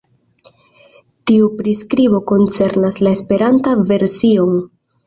Tiu priskribo koncernas la Esperantan version.